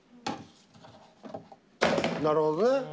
なるほどね。